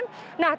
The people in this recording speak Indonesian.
nah tidak hanya